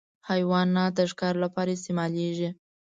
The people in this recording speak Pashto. حیوانات د ښکار لپاره استعمالېږي.